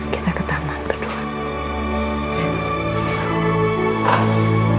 kita ke taman kedua